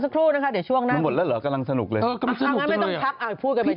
กระเนียมหลอกแล้ว